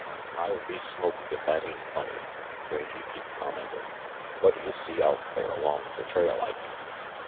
"I'll be smoked if that ain't funny," Rangy Pete commented. "Whatta you see out there along the trail, Ike?"